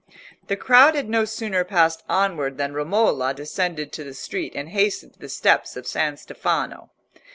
The crowd had no sooner passed onward than Romola descended to the street, and hastened to the steps of San Stefano.